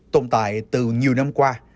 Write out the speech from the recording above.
tồn tại từ nhiều năm qua